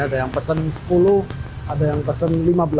ada yang pesen sepuluh ada yang pesen lima belas